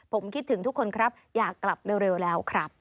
ผมคิดถึงทุกคนครับอยากกลับเร็วแล้วครับ